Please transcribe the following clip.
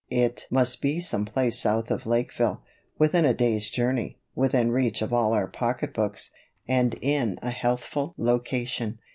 It must be some place south of Lakeville, within a day's journey, within reach of all our pocketbooks, and in a healthful location.